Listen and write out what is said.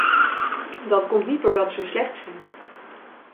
Dat komt niet doordat ze slecht zijn.